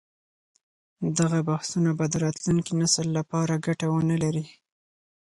دغه بحثونه به د راتلونکي نسل لپاره ګټه ونه لري.